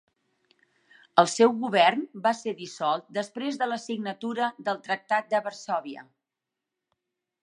El seu govern va ser dissolt després de la signatura del Tractat de Varsòvia.